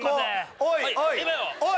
おい！